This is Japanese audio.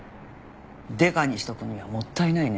デカにしておくにはもったいないね。